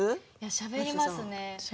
しゃべりますね。